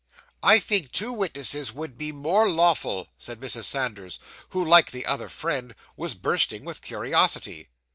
'I think two witnesses would be more lawful,' said Mrs. Sanders, who, like the other friend, was bursting with curiosity.